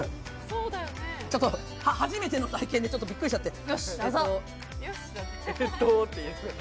初めての体験でちょっとびっくりしちゃって。